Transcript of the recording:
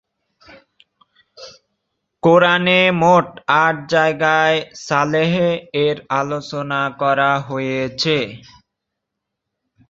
কুরআনে মোট আট জায়গায় সালেহ এর আলোচনা করা হয়েছে।